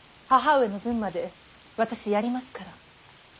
義母上の分まで私やりますから。